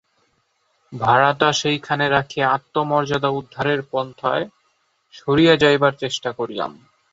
ভাঁড়টা সেইখানে রাখিয়া আত্মমর্যাদা- উদ্ধারের পন্থায় সরিয়া যাইবার চেষ্টা করিলাম।